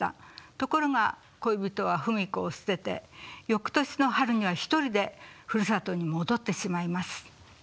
ところが恋人は芙美子を捨ててよくとしの春には一人でふるさとに戻ってしまいます。